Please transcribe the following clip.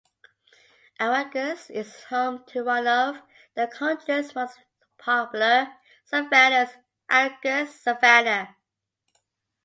Aranguez is home to one of the country's most popular savannahs, Aranguez Savannah.